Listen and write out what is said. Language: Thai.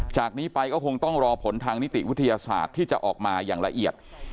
จากนี้ไปก็คงต้องรอผลทางนิติวิทยาศาสตร์ที่จะออกมาอย่างละเอียด